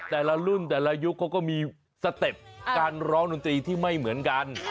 แต่ละรุ่นแต่ละยุคเขาก็มีสเต็ปการร้องดนตรีที่ไม่เหมือนกัน